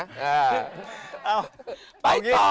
อ้าวไปต่อ